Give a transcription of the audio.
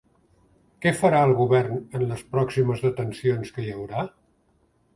Què farà el govern en les pròximes detencions que hi haurà?